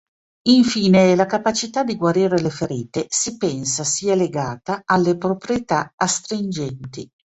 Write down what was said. Infine, la capacità di guarire le ferite si pensa sia legata alle proprietà astringenti.